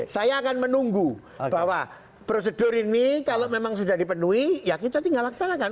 saya akan menunggu bahwa prosedur ini kalau memang sudah dipenuhi ya kita tinggal laksanakan